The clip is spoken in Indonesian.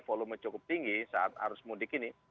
volume cukup tinggi saat arus mudik ini